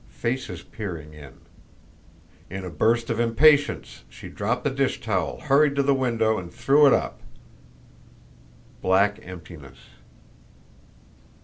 Faces peering in. In a burst of impatience she dropped the dish towel, hurried to the window, and threw it up. Black emptiness!...